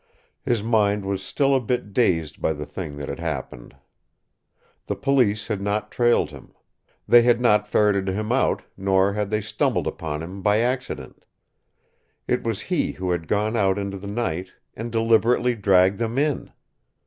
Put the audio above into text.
His mind was still a bit dazed by the thing that had happened. The police had not trailed him. They had not ferreted him out, nor had they stumbled upon him by accident. It was he who had gone out into the night and deliberately dragged them in!